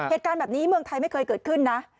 เหตุการณ์แบบนี้เมืองไทยไม่เคยเกิดขึ้นนะ